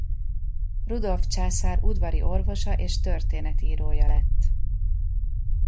Rudolf császár udvari orvosa és történetírója lett.